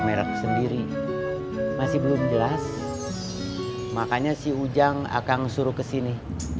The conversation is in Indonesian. masih belum jelas makanya si ujang akan suruh ke sini